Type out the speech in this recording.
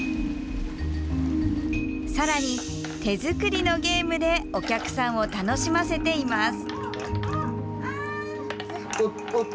さらに、手作りのゲームでお客さんを楽しませています。